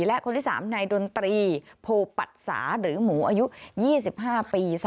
และคนที่๓นายดนตรีโพปัตสาหรือหมูอายุ๒๕ปี